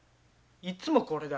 いつもこれだ。